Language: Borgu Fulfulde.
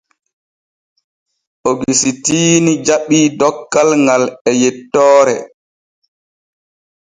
Ogusitiini jaɓii dokkal ŋal e yettoore.